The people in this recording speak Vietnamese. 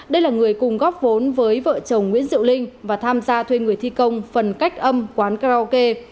đây là người cùng góp vốn với vợ chồng nguyễn diệu linh và tham gia thuê người thi công phần cách âm quán karaoke